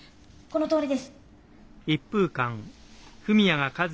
このとおりです。